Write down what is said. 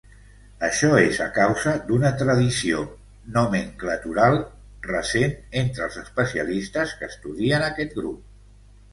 Això és a causa d'una tradició nomenclatural recent entre els especialistes que estudien aquest grup.